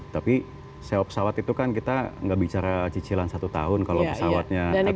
tapi sewa pesawat itu kan kita tidak bicara cicilan satu tahun kalau pesawatnya atau maskapai cicilan